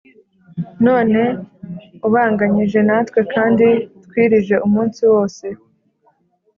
none ubanganyije natwe kandi twirije umunsi wose